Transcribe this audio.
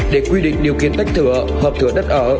để quy định điều kiện tách thửa hợp thửa đất ở